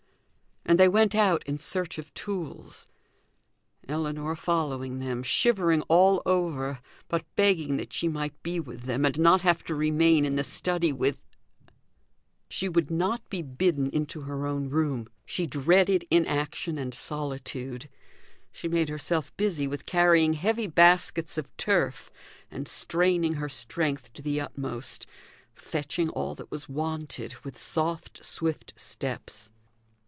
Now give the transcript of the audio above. And they went out in search of tools; Ellinor following them, shivering all over, but begging that she might be with them, and not have to remain in the study with She would not be bidden into her own room; she dreaded inaction and solitude. She made herself busy with carrying heavy baskets of turf, and straining her strength to the utmost; fetching all that was wanted, with soft swift steps.